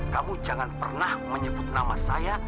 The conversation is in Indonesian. kamu jangan pernah menyebut nama saya